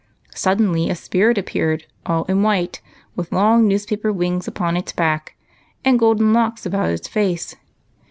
Suddenly a spirit appeared, all in white, with long newspaper wings upon its back and golden locks about its face.